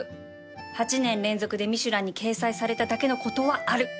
８年連続でミシュランに掲載されただけのことはある！